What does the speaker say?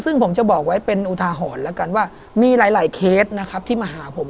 ซึ่งผมจะบอกไว้เป็นอุทาหรณ์แล้วกันว่ามีหลายเคสนะครับที่มาหาผม